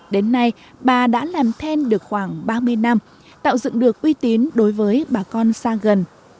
đến nay bà đã làm then được khoảng ba mươi năm tạo dựng được uy tín đối với bà con xa gần